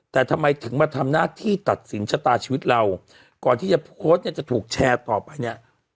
แต่ทำไมถึงมาทำหน้าที่ตัดสินชะตาชีวิตเราก่อนที่จะโพสต์เนี่ยจะถูกแชร์ต่อไปเนี่ย